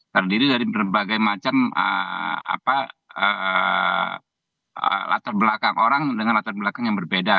terdiri dari berbagai macam latar belakang orang dengan latar belakang yang berbeda